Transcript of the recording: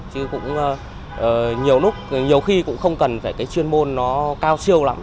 chứ cũng nhiều lúc nhiều khi cũng không cần phải cái chuyên môn nó cao siêu lắm